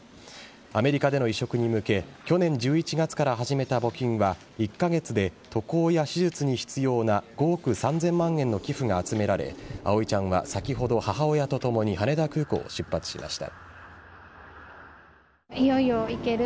アメリカでの移植に向け去年１１月から始めた募金は１カ月で渡航や手術に必要な５億３０００万円の寄付が集められ葵ちゃんは先ほど、母親とともに羽田空港を出発しました。